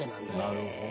なるほど。